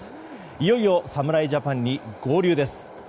いよいよ侍ジャパンに合流です。